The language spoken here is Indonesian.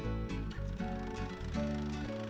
kali ini langsung dari teknopark